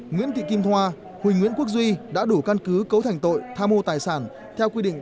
nguyễn thị kim thoa huỳnh nguyễn quốc duy đã đủ căn cứ cấu thành tội tham mô tài sản theo quy định